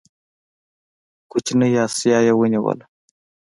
کوچنۍ اسیا یې ونیوله.